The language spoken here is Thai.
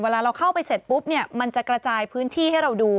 เราเข้าไปเสร็จปุ๊บเนี่ยมันจะกระจายพื้นที่ให้เราดู